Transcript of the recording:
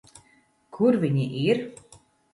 Kur viņi ir?